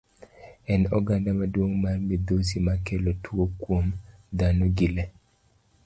En oganda maduong' mar midhusi makelo tuo kuom dhano gi lee.